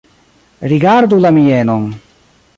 Rigardu la mienon!